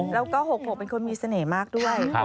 แล้วก็๖๖เป็นคนมีเสน่ห์มากด้วย